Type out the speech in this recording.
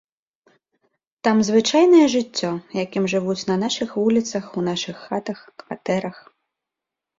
Там звычайнае жыццё, якім жывуць на нашых вуліцах, у нашых хатах, кватэрах.